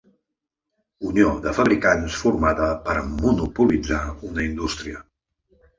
Unió de fabricants formada per monopolitzar una indústria.